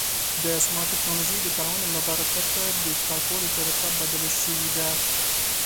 د سمارټ ټکنالوژۍ د کارونې له برکته د کار کولو طریقه بدله شوې ده.